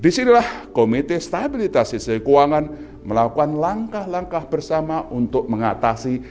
disinilah komite stabilitas sistem keuangan melakukan langkah langkah bersama untuk mengatasi